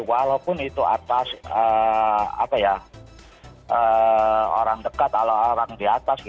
walaupun itu atas orang dekat atau orang di atas